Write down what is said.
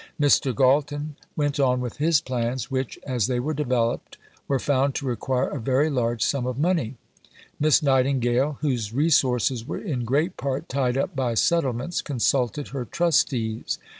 Mr. Galton went on with his plans which, as they were developed, were found to require a very large sum of money. Miss Nightingale, whose resources were in great part tied up by settlements, consulted her trustees.